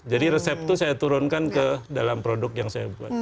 jadi resep itu saya turunkan ke dalam produk yang saya buat